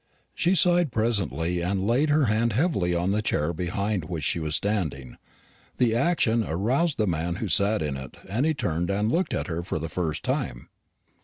She sighed presently, and laid her hand heavily on the chair behind which she was standing. The action aroused the man who sat in it, and he turned and looked at her for the first time.